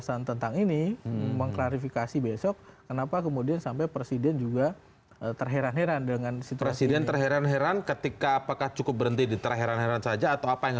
sampai jumpa di video selanjutnya